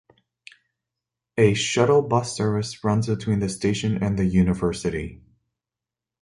A shuttle bus service runs between the station and the university.